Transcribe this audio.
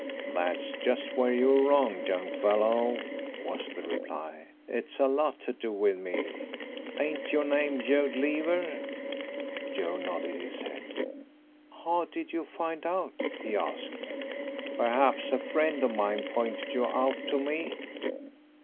"That's just where you're wrong, young fellow," was the reply. "It's a lot to do with me. Ain't your name Joe Leaver?" Joe nodded his head. "How did you find out?" he asked. "Perhaps a friend of mine pointed you out to me."